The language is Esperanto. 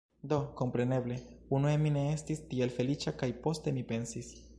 Do, kompreneble, unue mi ne estis tiel feliĉa kaj poste mi pensis: